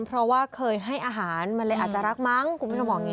เพราะว่าเคยให้อาหารมันเลยอาจจะรักมั้งคุณผู้ชมบอกอย่างนี้